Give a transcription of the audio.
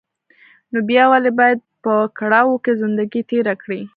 نو بيا ولې بايد په کړاوو کې زندګي تېره کړې.